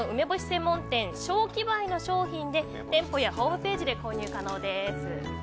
専門店勝喜梅の商品で店舗やホームページで購入可能です。